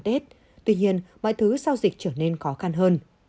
tuy nhiên mọi thứ sau dịch trở nên khó khăn hơn